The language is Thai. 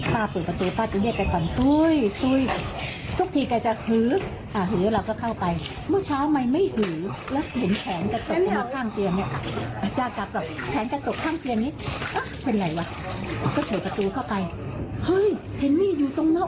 เป็นไงวะก็ถูกประตูเข้าไปเฮ้ยเห็นมี่อยู่ตรงหน้าอกตรงตะดื้อเนี่ยว้ายไม่ไหวแล้วใจสะขาด